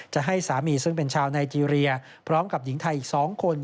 จะให้สามีซึ่งเป็นชาวไนเจรียพร้อมกับหญิงไทยอีก๒คน